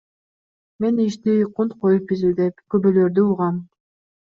Мен ишти кунт коюп изилдеп, күбөлөрдү угам.